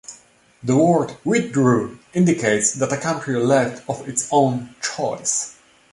The word "withdrew" indicates that a country left of its own choice.